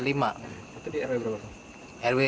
rt di rw berapa